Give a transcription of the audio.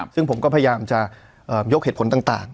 ซึ่งผมก็พยายามจะยกเหตุผลต่าง